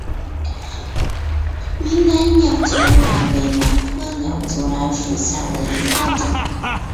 云南鸟足兰为兰科鸟足兰属下的一个种。